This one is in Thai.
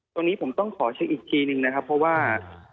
ตรงนี้ผมต้องขอเช็คอีกทีหนึ่งนะครับเพราะว่า